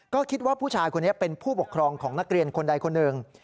ก็คิดว่าผู้ชายคนนี้เป็นผู้ปกครองของนักเรียนคนใดคนหนึ่ง